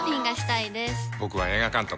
僕は映画監督。